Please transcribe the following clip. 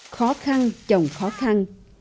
khó khăn chồng khó khăn